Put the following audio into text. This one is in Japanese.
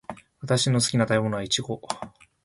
私の好きな食べ物はイチゴです。